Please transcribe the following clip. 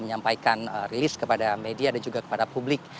menyampaikan rilis kepada media dan juga kepada publik